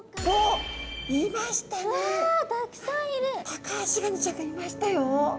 タカアシガニちゃんがいましたよ。